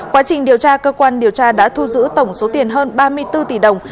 quá trình điều tra cơ quan điều tra đã thu giữ tổng số tiền hơn ba mươi bốn tỷ đồng